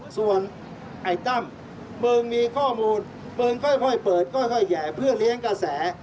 ส่วนไอ้ตั้มมึงมีข้อมูลมึงค่อยเปิดค่อยแห่เพื่อเลี้ยงกระแส